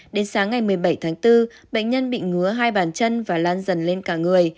đến sáng ngày một mươi bảy tháng bốn bệnh nhân bị ngứa hai bàn chân và lan dần lên cả người